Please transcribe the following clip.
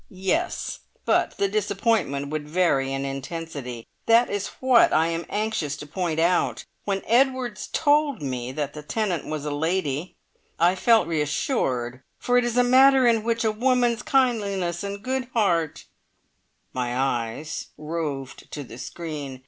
Yes; but the disappointment would vary in intensity. That is what I am anxious to point out. When Edwards told me that the tenant was a lady I felt reassured, for it is a matter in which a woman's kindliness and good heart " My eyes roved to the screen.